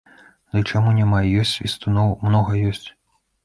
Ды чаму няма, ёсць свістуноў, многа ёсць.